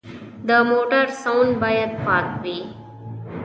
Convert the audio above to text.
د موټر سوند باید پاک وي.